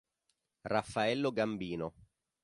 Raffaello Gambino